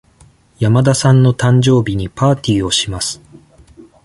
山田さんの誕生日にパーティーをします。